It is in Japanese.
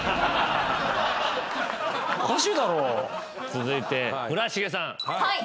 続いて村重さん。